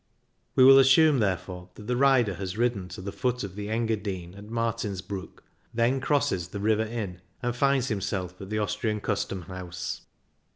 We will assume, therefore, that the rider has ridden to the foot of the Engadine, at Martinsbruck, then crosses the River Inn, and finds himself at the Austrian custom house.